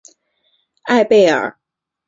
艾贝尔。